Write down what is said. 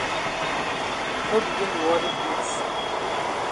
No begin di worry place.